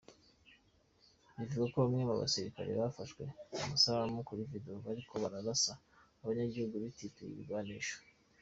Bivugwa ko bamwe mu basirikare bafashwe amasanamu kuri video bariko bararasa abanyagihugu bititwaje ibigwanisho.